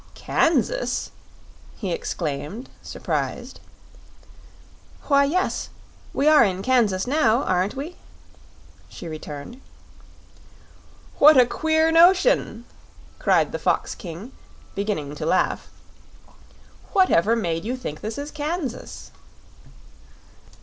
"Kansas!" he exclaimed, surprised. "Why, yes; we are in Kansas now, aren't we?" she returned. "What a queer notion!" cried the Fox King, beginning to laugh. "Whatever made you think this is Kansas?"